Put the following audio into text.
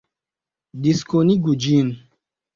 Diskonigu ĝin!